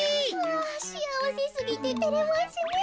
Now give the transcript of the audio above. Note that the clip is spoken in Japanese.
あしあわせすぎててれますねえ。